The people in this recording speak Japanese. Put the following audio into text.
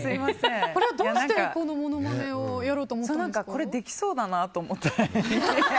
これはどうしてこのものまねをこれ、できそうだなと思って。